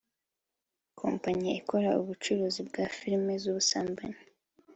kompanyi ikora ubucuruzi bwa film z’ubusambanyi